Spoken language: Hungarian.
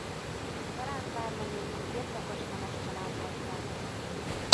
Zaránd vármegyei birtokos nemes családból származott.